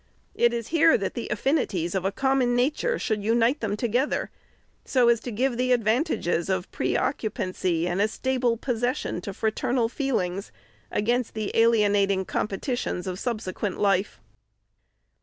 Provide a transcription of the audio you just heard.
It is here that the affinities of a common nature should unite them together so as to give the advantages of pre occupancy and a sta ble possession to fraternal feelings, against the alienating competitions of subsequent life.